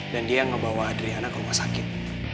dan dia yang ngebawa andriana ke rumah sakit